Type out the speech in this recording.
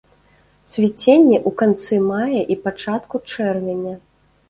Цвіценне ў канцы мая і пачатку чэрвеня.